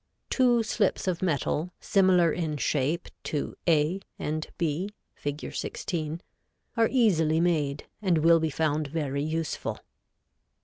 Two slips of metal similar in shape to A and B, Fig. 16, are easily made, and will be found very useful.